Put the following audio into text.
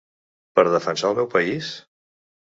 Per defensar el meu país?